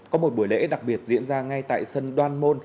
có một buổi lễ đặc biệt diễn ra ngay tại sân đoan môn